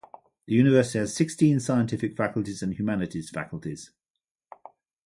The university has sixteen scientific faculties and humanities faculties.